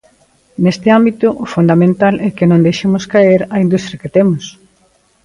Neste ámbito, o fundamental é que non deixemos caer a industria que temos.